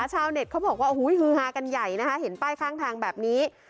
ชาวเน็ตเขาบอกว่าโอ้โหฮือฮากันใหญ่นะคะเห็นป้ายข้างทางแบบนี้